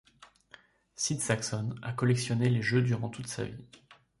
Sid Sackson a collectionné les jeux durant toute sa vie.